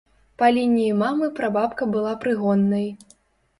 Па лініі мамы прабабка была прыгоннай.